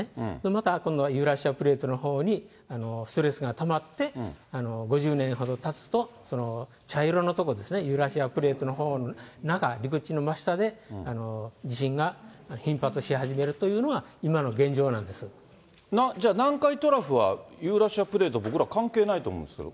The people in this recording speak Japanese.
またこのユーラシアプレートのほうにストレスがたまって、５０年ほどたつと、茶色の所ですね、ユーラシアプレートのほうの中、陸地の真下で、地震が頻発し始めるというのが、じゃあ南海トラフは、ユーラシアプレート、僕ら、関係ないと思うんですけど。